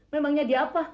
memangnya dia apa